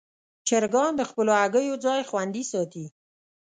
چرګان د خپلو هګیو ځای خوندي ساتي.